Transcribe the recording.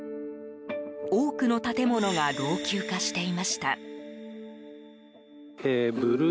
多くの建物が老朽化していました。